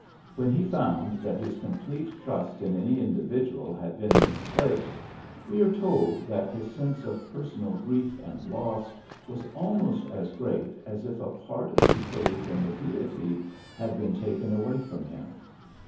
When he found that his complete trust in any individual had been misplaced, we are told that his sense of personal grief and loss was almost as great as if a part of his belief in the Deity had been taken away from him.